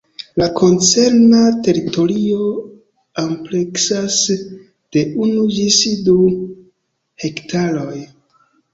La koncerna teritorio ampleksas de unu ĝis du hektaroj.